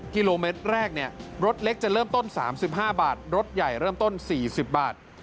กิโลเมตรแรกรถเล็กจะเริ่มต้น๓๕บาทรถใหญ่เริ่มต้น๔๐บาท